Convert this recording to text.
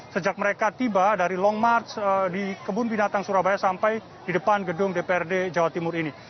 sejak mereka tiba dari long march di kebun binatang surabaya sampai di depan gedung dprd jawa timur ini